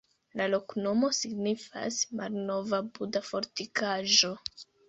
La loknomo signifas: malnova-Buda-fortikaĵo.